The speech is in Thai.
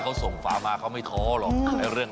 อยู่ตรงนี้เราได้กลิ่นนะ